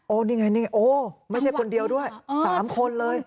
นี่ไงนี่โอ้ไม่ใช่คนเดียวด้วย๓คนเลย